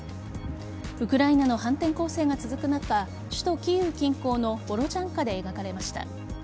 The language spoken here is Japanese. ウクライナの反転攻勢が続く中首都・キーウ近郊のボロジャンカで描かれました。